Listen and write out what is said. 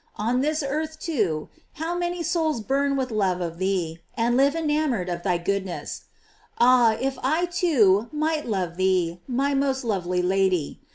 On this earth, too, how many souls burn with love of thee, and live enamored of thy goodness 1 Ah, if I, too, might love tnee, my most lovely Lady!